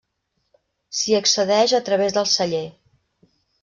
S'hi accedeix a través del celler.